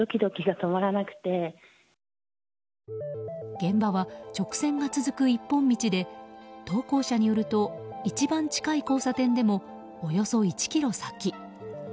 現場は直線が続く一本道で投稿者によると一番近い交差点でもおよそ１ｋｍ先。